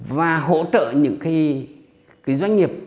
và hỗ trợ những doanh nghiệp